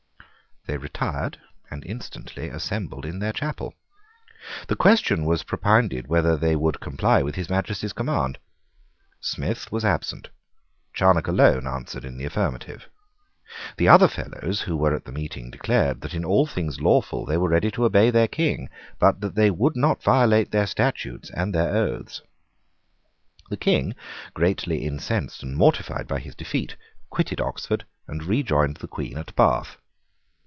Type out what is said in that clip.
They retired and instantly assembled in their chapel. The question was propounded whether they would comply with His Majesty's command. Smith was absent. Charnock alone answered in the affirmative. The other Fellows who were at the meeting declared that in all things lawful they were ready to obey the King, but that they would not violate their statutes and their oaths. The King, greatly incensed and mortified by his defeat, quitted Oxford and rejoined the Queen at Bath.